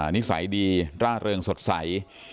นิสัยดีร่าเริงสดใส